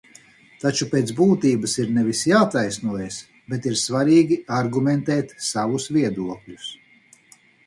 Taču pēc būtības ir nevis jātaisnojas, bet ir svarīgi argumentēt savus viedokļus.